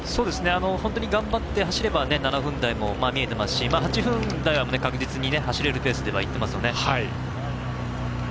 本当に頑張って走れば７分台も見えてますし、８分台は確実に走れるペースでいってます。